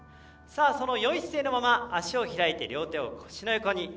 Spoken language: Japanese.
よい姿勢のまま脚を開いて、両手を腰の横に。